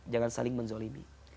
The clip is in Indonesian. jangan saling menzolimi